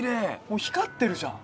もう光ってるじゃん！